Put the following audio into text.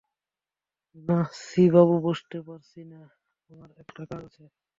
না শ্রীশবাবু, বসতে পারছি নে, আমার একটু কাজ আছে।